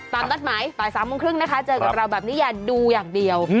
นัดหมายบ่าย๓โมงครึ่งนะคะเจอกับเราแบบนี้อย่าดูอย่างเดียว